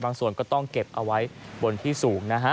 ส่วนก็ต้องเก็บเอาไว้บนที่สูงนะฮะ